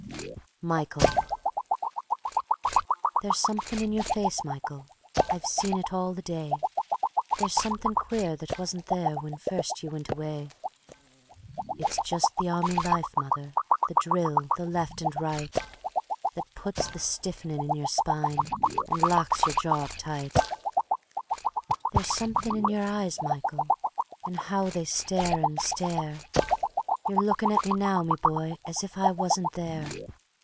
Michael "There's something in your face, Michael, I've seen it all the day; There's something quare that wasn't there when first ye wint away. ..." "It's just the Army life, mother, the drill, the left and right, That puts the stiffinin' in yer spine and locks yer jaw up tight. ..." "There's something in your eyes, Michael, an' how they stare and stare You're lookin' at me now, me boy, as if I wasn't there.